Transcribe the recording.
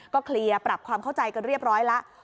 เคลียร์ปรับความเข้าใจกันเรียบร้อยแล้ว